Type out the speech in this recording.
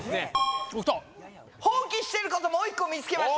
ピンポン放棄してることもう１個見つけました。